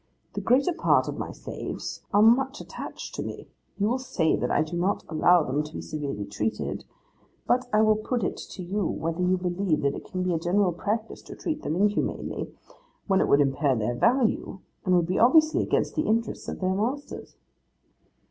The greater part of my slaves are much attached to me. You will say that I do not allow them to be severely treated; but I will put it to you whether you believe that it can be a general practice to treat them inhumanly, when it would impair their value, and would be obviously against the interests of their masters.